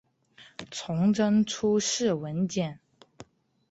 崇祯初谥文简。